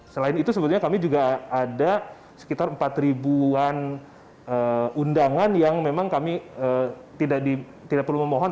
selain itu sebetulnya kami juga ada sekitar empat ribuan undangan yang memang kami tidak perlu memohon